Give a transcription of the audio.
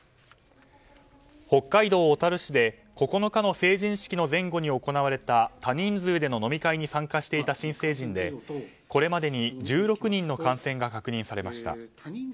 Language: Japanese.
北海道小樽市で９日の成人式の前後に行われた多人数での飲み会に参加していた新成人でこれまでに１６人の感染が確認されました。